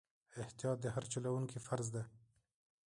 احتیاط د هر چلوونکي فرض دی.